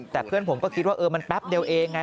แต่เพื่อนผมก็คิดว่าเออมันแป๊บเดียวเองไง